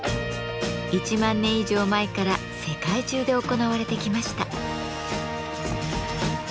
１万年以上前から世界中で行われてきました。